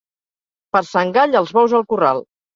Per Sant Gall, els bous al corral.